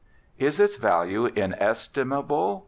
"Is its value inestimable?"